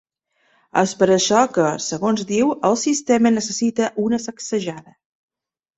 És per això que, segons diu, ‘el sistema necessita una sacsejada’.